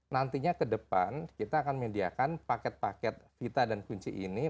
nantinya ke depan kita akan mediakan paket paket vita dan kunci ini